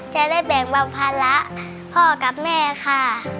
จะได้แบ่งเบาภาระพ่อกับแม่ค่ะ